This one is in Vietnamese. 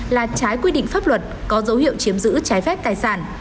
là trái quy định pháp luật có dấu hiệu chiếm giữ trái phép tài sản